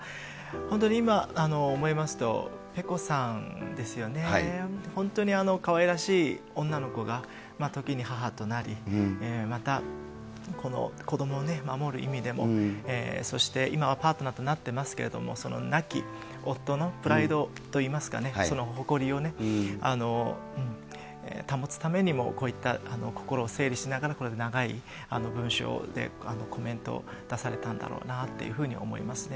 本当に今思いますと、ペコさんですよね、本当にあのかわいらしい女の子が、時に母となり、またこの子どもをね、守る意味でも、そして今はパートナーとなってますけれども、亡き夫のプライドといいますかね、その誇りをね、保つためにも、こういった心を整理しながら、長い文章でコメントを出されたんだろうなというふうに思いますね。